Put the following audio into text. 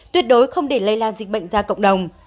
tuyệt đối không để lây lan dịch bệnh ra cộng đồng